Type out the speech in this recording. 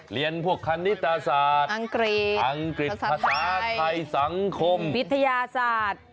เรียนพวกคณิตศาสตร์อังกฤษภาษาไทยสังคมวิทยาศาสตร์